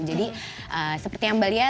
jadi seperti yang beli ya